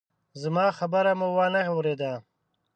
زما خبره مو وانه ورېده!